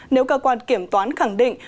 nếu cơ quan kiểm toán khẳng định